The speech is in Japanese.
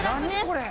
これ。